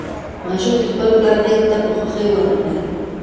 ماشوم د خپل پلار غېږې ته په خوښۍ ورغی.